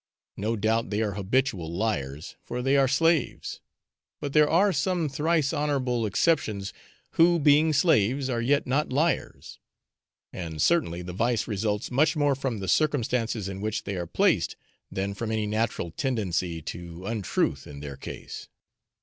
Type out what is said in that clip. No doubt they are habitual liars, for they are slaves, but there are some thrice honourable exceptions who, being slaves, are yet not liars; and certainly the vice results much more from the circumstances in which they are placed than from any natural tendency to untruth in their case.